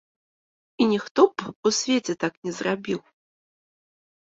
І ніхто б у свеце так не зрабіў.